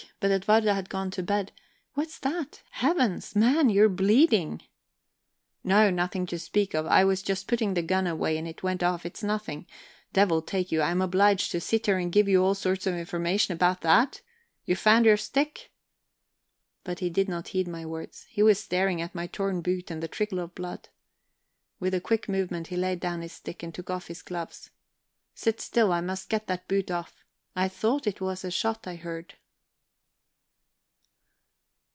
But Edwarda had gone to bed... What's that? Heavens, man, you're bleeding!" "No, nothing to speak of. I was just putting the gun away, and it went off; it's nothing. Devil take you, am I obliged to sit here and give you all sorts of information about that...? You found your stick?" But he did not heed my words; he was staring at my torn boot and the trickle of blood. With a quick movement he laid down his stick and took off his gloves. "Sit still I must get that boot off. I thought it was a shot I heard."